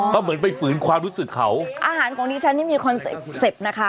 ก็เหมือนไปฝืนความรู้สึกเขาอาหารของดิฉันนี่มีคอนเซ็ปต์เซ็ปต์นะคะ